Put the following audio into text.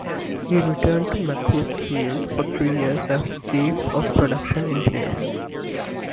He returned to McCook Field for three years as chief of Production Engineering.